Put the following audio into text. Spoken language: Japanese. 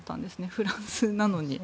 フランスなのに。